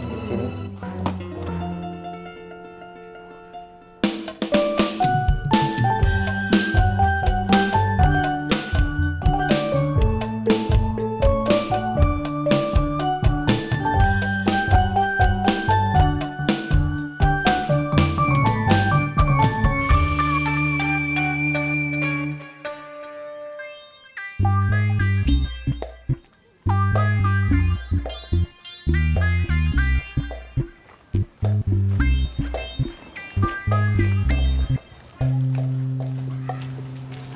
ah sini sini